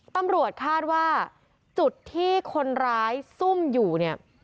ตำรวจคาดว่าจุดที่คนร้ายซุ่มอยู่เนี่ย